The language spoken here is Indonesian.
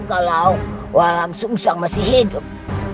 kalau walang sungsang masih hidup